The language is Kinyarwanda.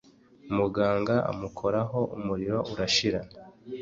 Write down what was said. muganga amukoraho umuriro urashira